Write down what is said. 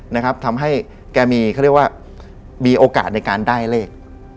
นะครับทำให้แกมีเขาเรียกว่ามีโอกาสในการได้เลข